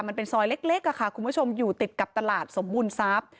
มันเป็นซอยเล็กค่ะคุณผู้ชมอยู่ติดกับตลาดสมบูรณ์ทรัพย์